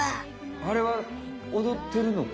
あれはおどってるのか？